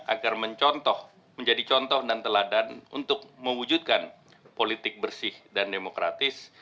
agar menjadi contoh dan teladan untuk mewujudkan politik bersih dan demokratis